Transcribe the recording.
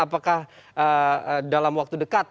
apakah dalam waktu dekat